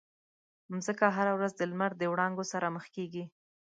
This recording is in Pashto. مځکه هره ورځ د لمر د وړانګو سره مخ کېږي.